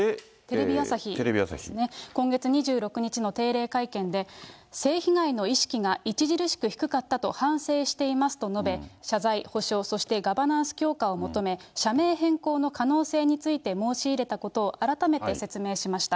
今月２１日の定例会見で、性被害の意識が著しく低かったと反省していますと踏まえ、謝罪、補償、ガバナンス強化を求め、社名変更の可能性について申し入れたことを改めて説明しました。